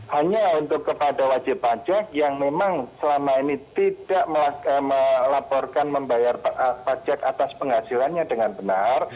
hanya untuk kepada wajib pajak yang memang selama ini tidak melaporkan membayar pajak atas penghasilannya dengan benar